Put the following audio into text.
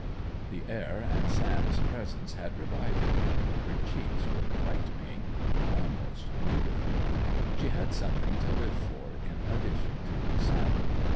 The air and Sam's presence had revived her: her cheeks were quite pink—almost beautiful. She had something to live for in addition to her son.